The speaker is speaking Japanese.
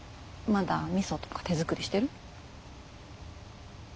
まだみそとか手作りしてる？